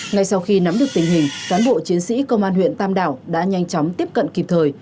ngay sau khi nắm được tình hình cán bộ chiến sĩ công an huyện tam đảo đã nhanh chóng tiếp cận kịp thời